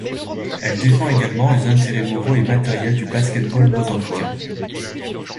Elle défend également les intérêts moraux et matériels du basket-ball mozambicain.